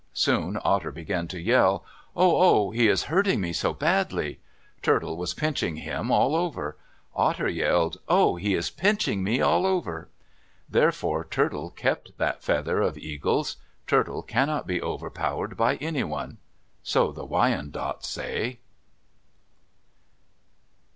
Soon Otter began to yell, "Oh oh! He is hurting me so badly!" Turtle was pinching him all over. Otter yelled, "Oh, he is pinching me all over!" Therefore Turtle kept that feather of Eagle's. Turtle cannot be overpowered by anyone—so the Wyandots say.